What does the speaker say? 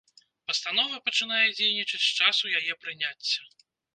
Пастанова пачынае дзейнічаць з часу яе прыняцця.